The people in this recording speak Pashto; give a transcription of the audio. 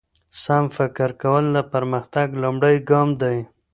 سم فکر کول د پرمختګ لومړی ګام دی.